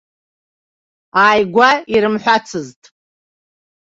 Ааигәа ирымҳәацызт.